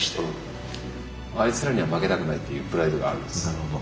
なるほど。